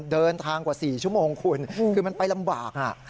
เดินทางกว่า๔ชั่วโมงคุณคือมันไปลำบาก